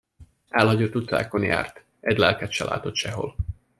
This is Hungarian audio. Elhagyott utcákon járt egy lelket se látott sehol.